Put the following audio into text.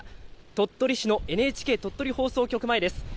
鳥取市のＮＨＫ鳥取放送局前です。